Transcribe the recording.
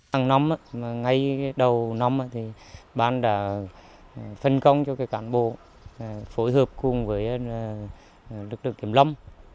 hàng năm ngay đầu năm ban đã phân công cho cán bộ phối hợp cùng với lực lượng kiểm lâm